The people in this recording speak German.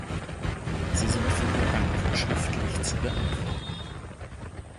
Sie sind von der Bank schriftlich zu beantworten.